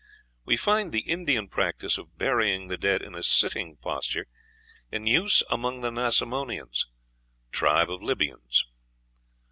We find the Indian practice of burying the dead in a sitting posture in use among the Nasamonians, tribe of Libyans.